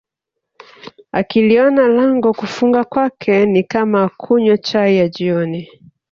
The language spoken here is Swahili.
akiliona lango kufunga kwake ni kama kunywa chai ya jioni